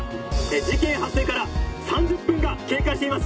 「事件発生から３０分が経過しています」